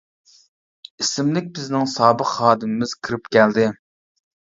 ئىسىملىك بىزنىڭ سابىق خادىمىمىز كىرىپ كەلدى.